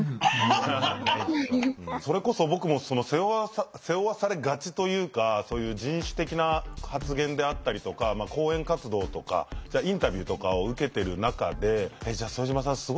それこそ僕も背負わされがちというかそういう人種的な発言であったりとか講演活動とかインタビューとかを受けてる中で「じゃあ副島さん